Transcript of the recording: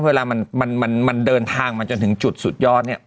เวลามันเดินทางมาจนถึงจุดสุดยอดเนี่ย